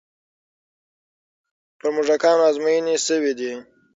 پر موږکانو ازموینې شوې دي.